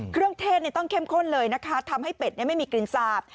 เทศต้องเข้มข้นเลยนะคะทำให้เป็ดไม่มีกลิ่นสาบ